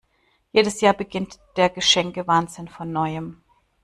Jedes Jahr beginnt der Geschenke-Wahnsinn von Neuem.